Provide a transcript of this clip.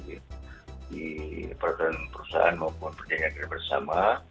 di perusahaan maupun perjalanan bersama